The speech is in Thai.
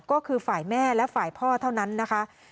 ก็คือฝ่ายแม่และฝ่ายพ่อเท่านั้นนะคะ